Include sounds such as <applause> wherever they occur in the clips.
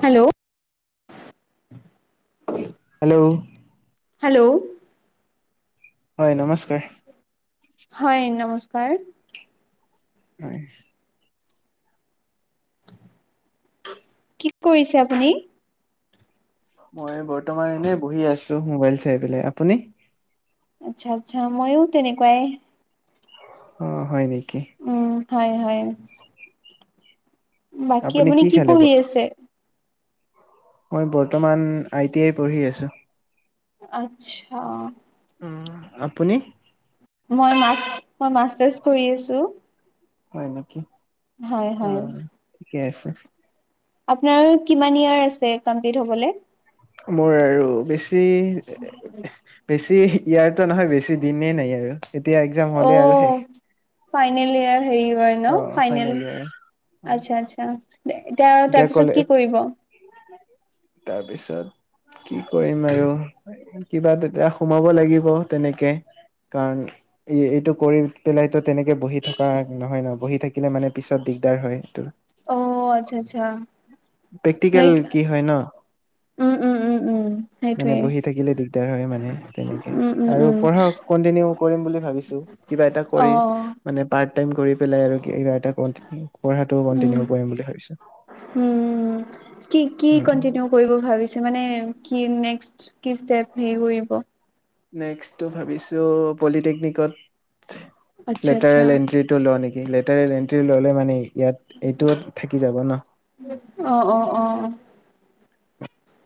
Hello hello hello হয় নমস্কাৰ। হয় নমস্কাৰ। হয়। কি কৰিছে আপুনি? মই বৰ্তমান এনে বহি আছো মোবাইল চাই পেলাই। আপুনি? আচ্ছা, আচ্ছা, ময়ো তেনেকুৱাই। অহ, হয় নেকি। উম, হয় হয়। বাকী আপুনি কি পঢ়ি আছে? মই বৰ্তমান আই টি আই পঢ়ি আছো। আচ্ছা। উম, আপুনি। মই মাচ মই মাষ্টাৰ্ছ কৰি আছো। হয় নেকি। হয়, হয়। কেফে। আপনাৰ কিমান ইয়াৰ আছে কমপ্লিট হ'বলে? মোৰ আৰু <unintelligible> তি বেছি ইয়াক। তই নহয় বেছি দিনেই নাই আৰু। এতিয়া এক্জাম হ'লে আৰু অ' শেষ। ফাইনেল ইয়াৰ। হেই হয় অ ফাইনেল ইয়াৰ ন আচ্ছা আচ্ছা এতিয়া তাৰপিছত কলে কি কৰিব তাৰপিছত। কি কৰিম আৰু। কিবা এটা সোমাব লাগিব তেনেকে কাৰণ এইটো কৰি পেলাইতো তেনেকে বহি থকা। নহয় ন বহি থাকিলে মানে পিছত দিগদাৰ হয় তোৰ। অ' আচ্ছা আচ্ছা প্ৰেক্টিকেল লাইক কি হয় ন উম উম উম উম মানে সেইটোৱে বহি থাকিলে দিগদাৰ হয় মানে তেনেকে উম উম আৰু উম পঢ়া কন্টিনিউ কৰিম বুলি ভাবিছো কিবা এটা কৰি অ', মানে পাৰ। টাইম কৰি পেলাই আৰু কিবা এটা পঢ়াটো উম, কন্টিনিউ কৰিম বুলি ভাবিছো উম। কি কি উম। কন্টিনিউ কৰিব ভাবিছে মানে কি নেক্স কি ষ্টেপ হে কৰিব। নেক্সটটো ভাবিছো পলিটেকনিকত। আচ্ছা আচ্ছা, লেটাৰেল এন্ট্ৰি টো লও নেকি? লেটাৰেল এণ্ট্ৰি ল'লে মানে। ইয়াত এইটো থাকি যাব ন। অ', অ', অ'।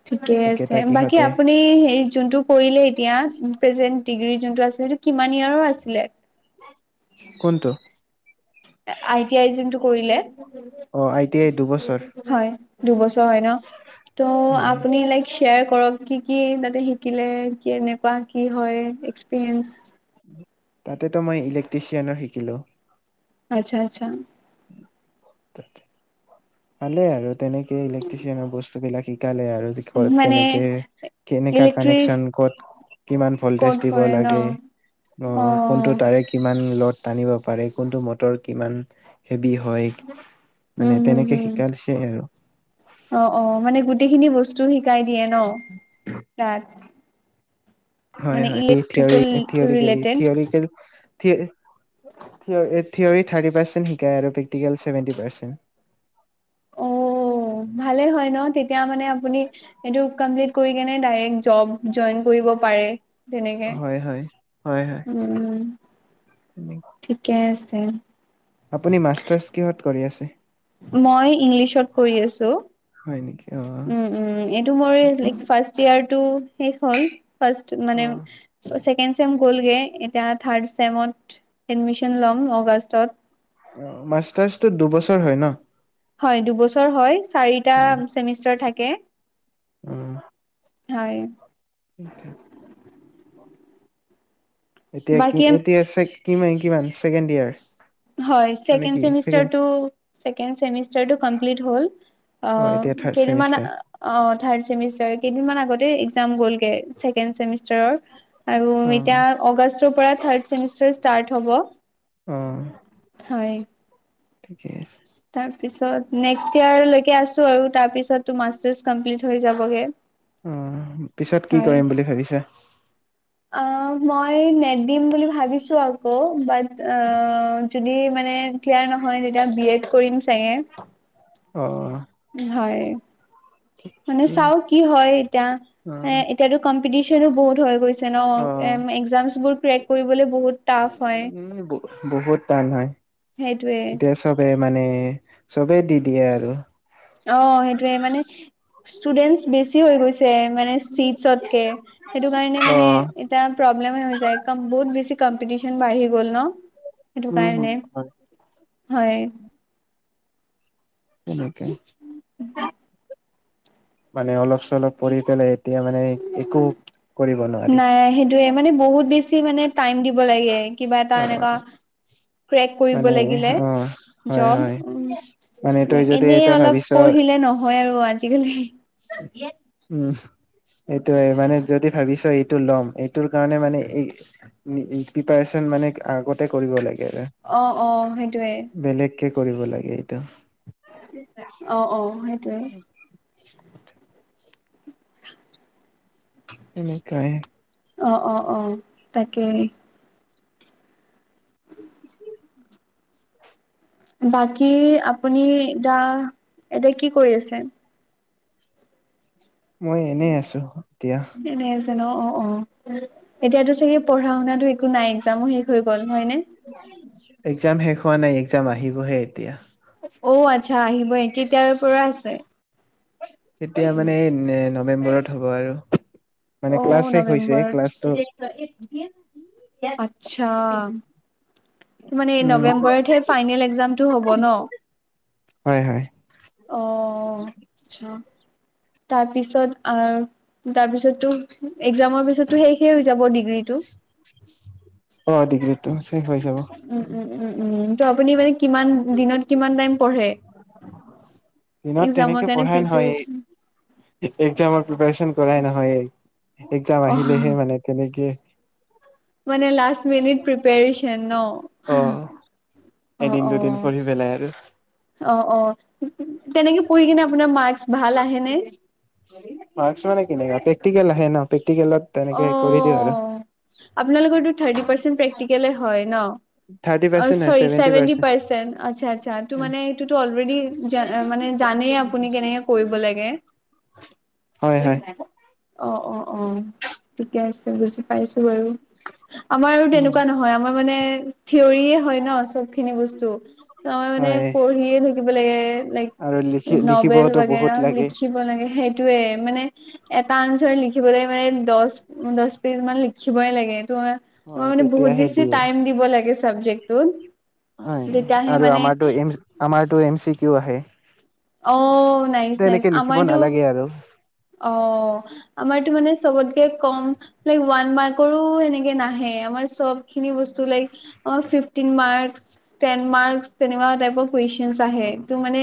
ঠিকে একেটা আছে বাকী কিহতে আপুনি হে যোনটো কৰিলে এতিয়া প্ৰেজেন্ট ডিগ্ৰী যোনটো আছিলে সেইটো কিমান ইৰ আছিলে। কোনটো আই টি আই যোনটো কৰিলে। অ আই টি আই দুবছৰ হয় দুবছৰ হয় ন ত হয় আপুনি লাইক। শ্বেয়াৰ কৰক কি কি তাতে শিকিলে কি এনেকুৱা কি হয় এক্সপিৰিয়েঞ্চ। তাতেতো মই ইলেক্ট্ৰিচিয়ানৰ শিকিলো। আচ্ছা আচ্ছা। ত <unintelligible> ভালে আৰু তেনেকে ইলে্ট্ৰচিয়ানৰ বস্তু। বস্তুবিলাক শিক। কাইলে আৰু ক'ত মানে কেনেকে, কেনেকা ইলেক্ট্ৰিক কানেকচন, ক'ত কিমান ভল্টেজ ক'ত দিব কৰে ন লাগে, অ'! কোনটো তাৰে কিমান লড টানিব পাৰে কোনটো মটৰ কিমান হেভি হয়, মানে হম তেনেকে উম, শিকাইছে আৰু অ'! অ'! মানে গোটেইখিনি বস্তু <unintelligible> শিকাই দিয়ে ন', তাত। হয়, মানে হয়। Electrical theory theoretically, related theoretically <unintelligible> theory thirty percent শিকায় আৰু প্ৰেক্টিকেল চছেভেণ্টি পাৰ্চেণ্ট। অঁ! ভালেই হয় ন'। তেতিয়া মানে, আপুনি এইটো কমপ্লিট কৰি কিনে ডাইৰক্ট জব জইন কৰিব পাৰে। তেনেকে, হয় হয় হয় হয় উম! ঠিকে আছে। <unintelligible> আপুনি মাষ্টাৰচ কিহত কৰি আছে? <inaudible> মই ইংলিছত কৰি আছোঁ। হয় নেকি অ উম, উম, এইটো মই ঠিকে। লাইক ফাৰ্ষ্টয়েৰ টো শেষ হ'ল। ৰ্ফাষ্ট অ মানে ছেকেণ্ড চেম গ'লগে, এতিয়া ৰ্থাড চেমত এডমিচন ল'ম আগষ্টত। অ'! মাষ্টাৰ্চটো দুবছৰ হয় ন'? হয়। দুবছৰ হয়! চাৰিটা চেমিষ্টাৰ থাকে। উম! হয়! <unintelligible> এতিয়া কি, বাকী এতিয়া আছে কিমান, কিমান ছেকেণ্ডয়েৰ। হয়! ছেকেণ্ড চেমিষ্টাৰতো, ছেকেণ্ড চেমিষ্টাতো কমপ্লিট হ'ল। অ'! এতিয়া থাৰ্ড কেইদিনমান চেমিষ্টাৰ অ'! থাৰ্ড চেমিষ্টাৰ কেইদিন মান আগতে এ, এক্সাম গ'লগে। ছেকেণ্ড চেমি ষ্টাৰৰ আৰু অ এতিয়া আগষ্টৰ পৰা ৰ্থাড চেমিষ্টাৰ ষ্টাৰ্ট অ হ'ব। হয়। ঠিকে আছে। তাৰ পিছত নেক্সট ইয়েৰ লৈকে আছোঁ আৰু। তাৰ পিছততো মাষ্টাৰ্চ কম্পিলিত হৈ যাব। ে <unintelligible> অঁহ ', পিছত কি কৰিম বুলি ভাবিছে? অঁহ ', মই নেট দিম বুলি ভাবিছোঁ আকৌ। বাট যদি মানে ক্লিয়াৰ নহয় যেতিয়া বি এড। কৰিম চাগে। অ হয়। <unintelligible> মানে চাও কি হয় এতিয়া অ এ এতিয়াতো কম টিচনও ব হৈ গৈছে ন অ এক্সামবোৰ ক্ৰেক কৰিবলৈ বহুত টাফ হয়। উম বহুত টান হয়। সেইটোৱে। এতিয়া চবে মানে চবে দি দিয়ে আৰু। অহ ', সেইটয়ে মানে ষ্টুডেন্টছ বেছি হৈ গৈছে মানে চিটছতকে সেইটো কাৰণে অ মানে এতিয়া প্ৰব্লেম হৈ যায় কাৰণ বহুত বেছি। কম্পিটিশন বাঢ়ি গ'ল ন। সেইটো উম কাৰণে, হয় হয়। <unintelligible> <unintelligible> মানে অলপ চলপ পৰি পেলাই। এতিয়া মানে একো কৰিব নোৱাৰি নাই সেইটোয়ে মানে বহুত বেছি মানে টাইম দিব লাগে কিবা এটা এনেকুৱা ক্ৰেক কৰিব মানে লাগিলে অ হয় জব হয় উম মানে তই ', যদি এনে এটা অলপ ভাবিছ পঢ়িলে নহয় আৰু আজিকালি। উম', সেটোয়ে মানে যদি ভাবিছ এইটো ল'ম এই তৰ কাৰণে মানে এই প্ৰিপাৰেচন মানে আগতে কৰিব লাগে। আৰু অহ', - অহ ', সেইটোৱে। কি কৰিব লাগে এইটো? অহ ', - অহ। ', সেইটোৱে। তেনেকাই। অহ', - অহ', - অহ', তাকেই। <inaudible> বাকী আপুনি দা এতিয়া কি কৰি আছে? মই এনেই আছো এতিয়া। এনে আছে ন, অ, অ এতিয়া টো চাগে পঢ়া শুনাটো একো নাই এগজামু শেখ হৈ গল হয়নে? এগজাম শেষ হোৱা নাই। এগজাম আহিবহে এতিয়া। অ আচ্ছা আহিবহে, কেইতিাৰ পৰা আছে? কেতিয়া মানে এই নৱেম্বৰত হ'ব আৰু। অ মানে ক্লাছ শেখ হৈছে নৱেম্বৰত ক্লাছটো <unintelligible> আচ্ছা, কি মানে এই উম নৱেম্বৰতহে ফাইনেল এগজামটো হ'ব ন? হয়, হয়। অহ, অচ্ছা। তাৰপিছত তাৰপিছতো এগজাম পিছতো শেখই হৈ যাব ডিগ অ দিগ্ৰী তো শেখ হৈ যাব। উম উম উম উম ত আপুনি মানে কিমান দিনত কিমান টাইম পঢ়ে? দিনত এক্জামৰ তেনেকে কাৰণে পঢ়াই নহয় প্ৰিপেৰেচন একজামৰ প্ৰিপচন পঢ়া নহয়ে এগজাম অ আহিলেহে মানে তেনেকে মানে লাষ্ট মিনিট প্ৰিপাৰেচন ন? অ অ, এদিন দুদিন অ, পঢ়ি পেলাই আৰু অ, অ। তেনেকে পঢ়ি কিনে আপোনাৰ মাৰ্ক্স ভাল আহেনে? মাৰ্কচ মানে কেনেকা প্ৰেক্টিকেল আহে ন প্ৰেক্টিকেলত তেনেকে কৰি দিওঁ আৰু আহ, আপোনালোকৰতো ৰ্ঠাতি ৰ্পাচেনট প্ৰেক্টিকেলেই হয় ন? থাৰ্টি অ পাৰ্চেন্ট হয় sorry seventy seventy percent percent আচ্ছা আচ্ছা টো মানে সেটো তো অলৰেদি জা মানে জানেই আপুনি কেনেকে কৰিব লাগে। হয় হয় অ, অ, অ, ঠিকে আছে। বুজি পাইছো। বাৰু। আমাৰ আৰু উম, তেনেকুৱা নহয় আমাৰ মানে থিয়ৰিয়ে হয় ন চবখিনি বস্তু টো টো মানে হয় পঢ়িয়ে থাকিব লাগে, লাইক আৰু লিখি নভেল লিখিবতো বাগেৰা বহুত লাগে লিখিব লাগে সেই সেইটোয়ে মানে এটা অন্স্বেৰ লিখিবলৈ মানে দহ দহ পেজ মান লিখিবই লাগে। তোমাৰ অ তমাৰ মানে বহুত তেতিয়াহে বেছি দিয়ে টাইম দিব লাগিছে চব্জেক্টটো হয় আৰু আমাৰোতো আমাৰতো এম চি কিও আহে অ নাইচ নাইচ তেনেকে লিখিব আমাৰতো নালাগে আৰু অ আমাৰতো মানে চবতকে কম লাইক ওৱান মাৰ্কৰো সেনেকে নাহে আমাৰ চবখিনি বস্তু লাইক আমাৰ ফিফটিন মাৰ্ক টেন মাৰ্ক তেনেকুৱা টাইপৰ কোৱেইছনছ আহে টো মানে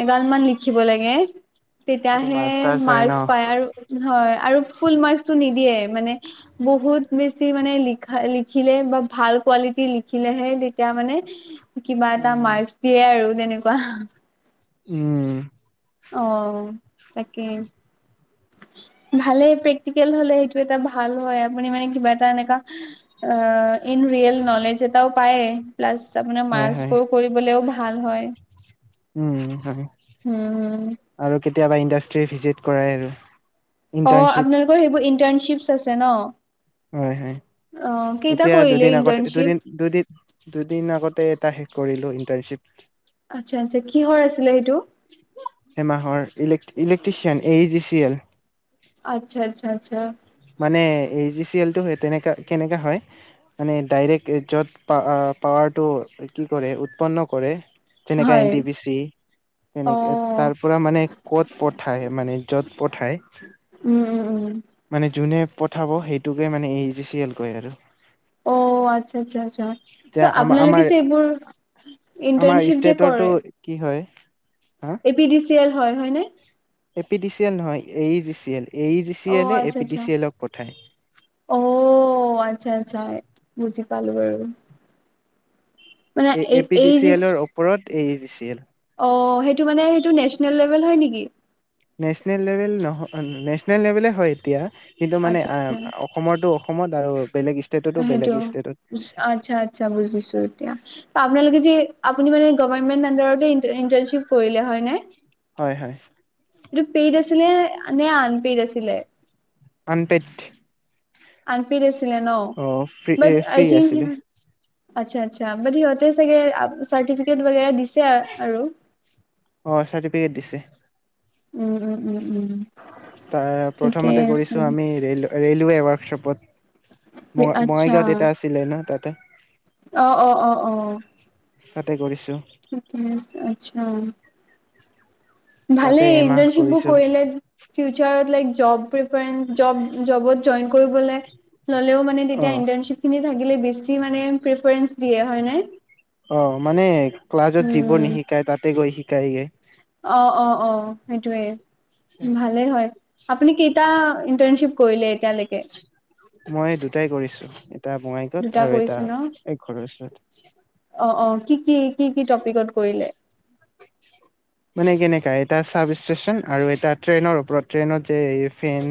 এগাল মান লিখিব লাগে তেতিয়া এইটো আহে মাষ্টাৰ্ছ হয় ন? মাৰ্ক্স পায় আৰু হয় আৰু ফুল মাৰ্কচ টো নিদিয়ে মানে বহুত বেছি মানে লিখা লিখিলে বা ভাল কোৱালিটিৰ লিখিলেহে তেতিয়া মানে কিবা এটা উম। মাৰ্কচ দিয়ে আৰু তেনেকুৱা উম অ তাকে ভালে প্ৰেক্টিকেল হলে সেইটো এটা ভাল হয় আৰু <unintelligible> মানে কি এটা এনেকুৱা অ ইন ৰিয়েল নলেজ এটাও পায় প্লাছ আপোনাৰ হয় মাৰ্ক্স হয়, স্কৰ কৰিবলেও ভাল ভাল হয় উম হয় উম আৰু কেতিয়াবা ইণ্ডাষ্ট্ৰি ভিজিট কৰাই আৰু অ ইণ্টাৰ্ণশ্বিপ আপোনালোকৰ সেইটো ইণ্টাৰ্নশিপ আছে ন হয় হয় অ কেইটা এতিয়া কৰিলে দুদিন আগতে ইন্টাৰ্ণশ্বিপ? দুদিন দুদিন দুদিন আগতে এটা শেষ কৰিলো ইণ্টাৰ্ণশ্বিপ আচ্ছা আচ্ছা কিহৰ আছিলে সেইটো এমাহৰ ইলেক্ট্ৰি electrician A E G C L আচ্চছা আচ্ছা আচ্ছা মানে এ ই জি চি এলটো সেই তেনেকা কেনেকা হয় মানে ডাইৰেক্ট য'ত প পাৱাৰটো কি কৰে উৎপন্ন কৰে। তেনেকে এন হয় টি পি চি অ। তেনেকে তাৰ পৰা মানে কত পঠায় মানে য'ত পঠায় উম উম উম। যোনে পঠাব সেইটোকে মানে A E G C L কয় আৰু। অ আচ্ছা আচ্ছা আচ্ছা এতিয়া আম আপোনালোকে আমাৰ যে এইবোৰ আমাৰ ইণ্টাৰ্নশিপ যে ষ্টেটৰটো কৰে কি হয় হা A P D C L হয় হয় ন A P D C L নহয় A E G C L A E G C অঁ এলে এ আচ্ছা পি ডি আচ্ছা, চি এলক পঠায় অহ আচ্ছা আচ্ছা বুজি পালো বাৰু। মানে এই এ পি দি চি এলৰ ওপৰত এই জি চি এল। অঁ সেইটো মানে সেইটো নেচনেল লেভেল হয় নেকি? নেচনেল লেভেল নহয়, নেচনেল লেভলে হয় এতিয়া কিন্তু মানে আচ্ছা আচ্ছা অসমৰটো অসমৰ দাৰো সেইটো, আচ্ছা আচ্ছা বুজিছো এতিয়া, আপোনালোকে যে আপুনি মানে গভমেন্ট আণ্ডাৰতে ইণ্টাৰ্শ্বিপ কৰিলে হয়নে? হয় হয়। এইটো পেইড আছিলে, নে আঁনপেইড আছিলে? আনপেইড আনপেইড আছিলে নে ন ফ্ৰী এ বাত আই ফ্ৰী থিংক আছিলে আচ্ছা আচ্ছা বাত সিহঁতে চাগে চৰ্টিফিকেট বাগেৰা দিচে <inaudible> অ' চাৰ্টিফিকেট দিছে। উম উম উম উম তাৰ, ঠিকেই প্ৰথমতে আছে কৰিছো আমি ৰেল ৰেলৱে ৱৰ্কচপত। আচ্ছা বঙাইগাঁৱত দেতা আছিলে ন তাত তে অ অ অ অ তাতে কৰিছোঁ ঠিকেই আছে আচ্ছা ভালে তাতে এমাহ ইণ্টাৰ্শ্বিপবোৰ কৰিছো কৰিলে ফিউচাৰত লাইক জব <unintelligible> জবত জইন কৰিবলে ল'লেও মানে অ তেতিয়া ইণ্টাৰ্শ্বিপ খিনি থাকিলে বিচি মানে দিয়ে হয়নে? অঁ মানে ক্লাছত যিবোৰ উম নিশিকাই তাতে গৈ শিকো কাইয়ে অ অ অ সেইটোৱে, ভালেই হয়। আপুনি কেইটা ইণ্টাৰ্শ্বিপ কৰিলে এতিয়ালৈকে? মই দুটাই কৰিছো। এটা বঙাইগাঁৱত দুটা আৰু এটা কৰিছে ন? এ ঘৰৰ ওচৰত। অ, অ, কি কি কি কি টপিকত কৰিলে। মানে কেনেকা এটা চাব ষ্টেচন আৰু এটা ট্ৰেইনৰ ওপৰত ট্ৰেইনত যে এ ফেন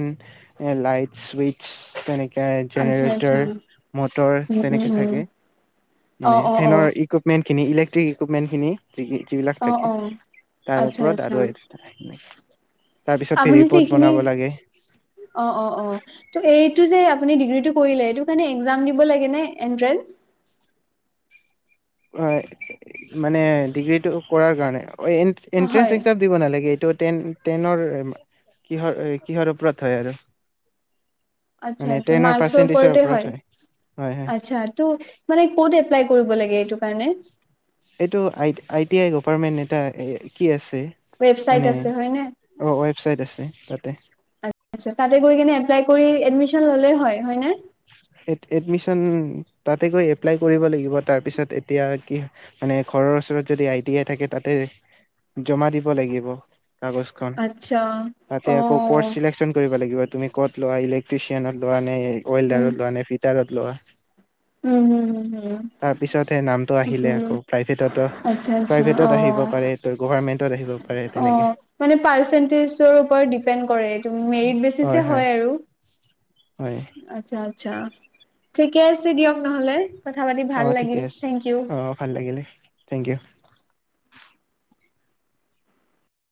এ লাইট চুইচ তেনে <unintelligible> আচ্ছা আচ্ছা জেনেৰেটাৰ, উম মটৰ উম তেনেকে উম থাকে, অ মানে অ অ ফেনৰ ইকুইপমেণ্ট খিনি ইলেক্ট্ৰিক ইকুপমেণ্টিখিনি। <unintelligible> বিলাক অ থাকে। অ তাৰ আচ্ছা ওপৰত আচ্ছা আৰু <inaudible> <inaudible> তাৰপিছত আপুনি যে ৰিপৰ্ট এইখিনি, বনাব লাগে অ, অ, অ, ত এই <unintelligible> আপুনি ডিগ্ৰীটো কৰিলে এইটোৰ কাৰণে এক্সাম দিব লাগে নে এণ্ট্ৰেন্স। হয়, মানে ডিগ্ৰীটো কৰাৰ কাৰণে অ, এ হয় এন্ট্ৰেন্স এক্সাম দিব নালাগে এইটোত টেন টেনৰ, কিহৰ কিহৰ ওপৰত হয় আৰু। আচ্ছা মানে আচ্ছা টেনৰ মাৰ্কছৰ পাৰ্চেন্টেজৰ ওপৰতে ওপৰত হয়। হয় হয় আচ্ছা ত মানে ক'ত এপ্লাই কৰিব লাগে এইটোৰ কাৰণে। এইটো আই টি আই গপাৰ্টমেণ্ট এটা কি আছ <unintelligible> ৱেবচাইট মানে, আছে হয় নে অ, ৱেবচাইট আছে তাতে। আচ্ছা তাতে গৈ কিনে এপ্লাই কৰি এডমিছন ল'লে হৈ হয়নে। <unintelligible> এডমিচন তাতে গৈ এপ্লাই কৰিব লাগিব তাৰপিছত এতিয়া কি মানে ঘৰৰ ওচৰত যদি আই টি আই থাকে তাতে জমা দিব লাগিব। কাগজখন, আচ্ছা তাতে অ আকৌ কৰ্চ চিলেকচন কৰিব লাগিব। তুমি ক'ত লোৱা ইলেকট্ৰিচিয়ন লোৱা নে অইলডাৰত। ফিটাৰত লোৱা। উম, উম, উম, তাৰপিছতহে নামটো আহিলে উম, আকৌ প্ৰাইভেটতো আচ্ছা, আচ্ছা প্ৰাইভেটত অ, আহিব পাৰে ত গভাৰমেন্টত আহিব পাৰে অ, তেনেকে মানে পাৰ্চেন্টেজৰ ওপৰত ডিপেণ্ড কৰে এই উম, মেৰিট বেচিচ হয় আৰু। হয় আচ্ছা। চ্ছা, ঠিকে আছে দিয়ক নহ'লে। কথা পাতি ভাল অ লাগিল, ঠিকে আছে থেংক ইউ। অ ভাল লাগিলে থেংক ইউ।